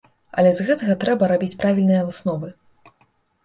Але з гэтага трэба рабіць правільныя высновы.